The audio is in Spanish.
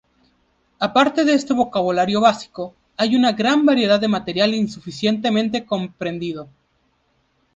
Aparte de este vocabulario básico, hay una gran variedad de material insuficientemente comprendido.